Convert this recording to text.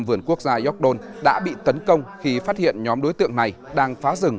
vườn quốc gia york don đã bị tấn công khi phát hiện nhóm đối tượng này đang phá rừng